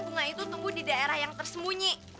bunga itu tumbuh di daerah yang tersembunyi